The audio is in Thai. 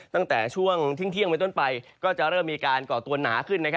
ตั้งแต่ช่วงเที่ยงไปต้นไปก็จะเริ่มมีการก่อตัวหนาขึ้น